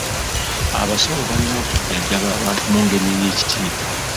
Abasawo balina okujjanjaba abantu mu ngeri ey'ekitiibwa.